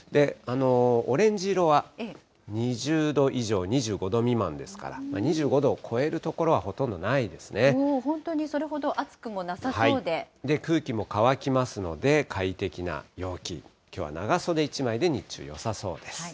オレンジ色は２０度以上２５度未満ですから、２５度を超える所は本当にそれほど暑くもなさそ空気も乾きますので、快適な陽気、きょうは長袖１枚で日中、よさそうです。